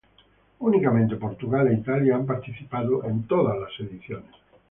Únicamente Portugal e Italia han participado en todas las ediciones.